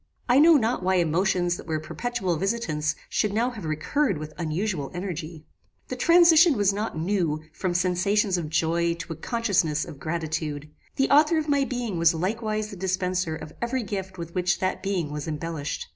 I know not why emotions that were perpetual visitants should now have recurred with unusual energy. The transition was not new from sensations of joy to a consciousness of gratitude. The author of my being was likewise the dispenser of every gift with which that being was embellished.